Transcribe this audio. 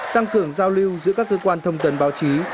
tăng cường giao lưu giữa các cơ quan thông tấn báo chí